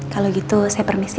kalau gitu saya permisi